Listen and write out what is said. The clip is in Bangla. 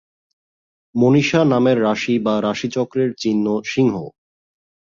মনীষা নামের রাশি বা রাশিচক্রের চিহ্ন সিংহ।